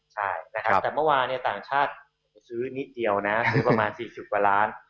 ใช่นะครับแต่เมื่อวานต่างชาติซื้อนิดเดียวนะซื้อประมาณ๔๐กว่าล้าน